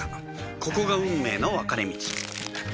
ここが運命の分かれ道